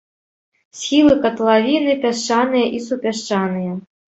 Схілы катлавіны пясчаныя і супясчаныя.